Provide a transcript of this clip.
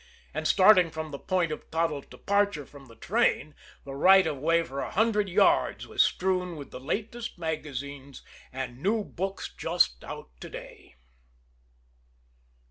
And, starting from the point of Toddles' departure from the train, the right of way for a hundred yards was strewn with "the latest magazines" and "new books just out to day."